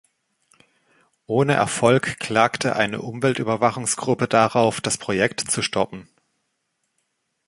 Ohne Erfolg klagte eine Umweltüberwachungsgruppe darauf, das Projekt zu stoppen.